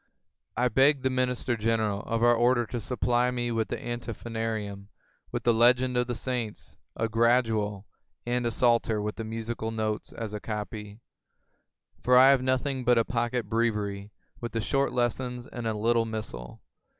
I beg the Minister General of our Order to supply me with the Antiphonarium, with the legends of the saints, a Gradual, and a Psalter with the musical notes as a copy; for I have nothing but a pocket Breviary with the short lessons and a little missal.